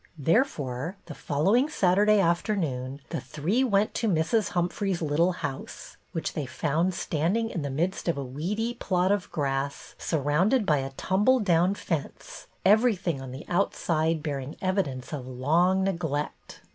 There fore, the following Saturday afternoon the three went to Mrs. Humphrey's little house, which they found standing in the midst of a weedy i^lot of grass, surrounded by a tumble down fence, everything on the outside bear ing evidence of long neglect.